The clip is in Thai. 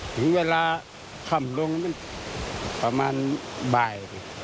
ถึงเวลาค่ำลงประมาณบ่าย